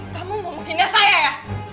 kamu mau menghina saya ya